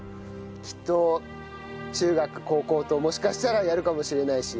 きっと中学高校ともしかしたらやるかもしれないし。